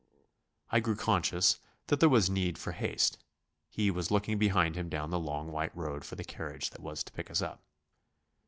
I grew conscious that there was need for haste; he was looking behind him down the long white road for the carriage that was to pick us up.